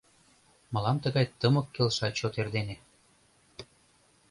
Мылам тыгай тымык келша чот эрдене